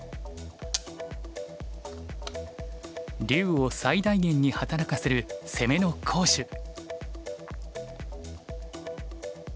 竜を最大限に働かせる攻めの好手。